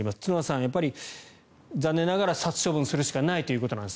角田さん、残念ながら殺処分するしかないということなんですね。